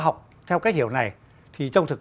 học theo cách hiểu này thì trong thực